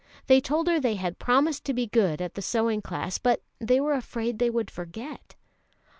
They told her they had promised to be good at the sewing class, but were afraid they would forget.